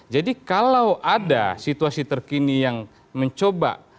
jadi kalau ada situasi terkini yang mencoba